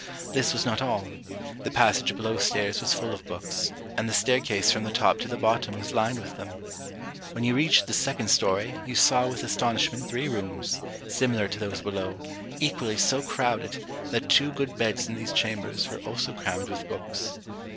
This was not all; the passage below stairs was full of books, and the staircase from the top to the bottom was lined with them. When you reached the second story, you saw with astonishment three rooms, similar to those below, equally so crowded, that two good beds in these chambers were also crammed with books.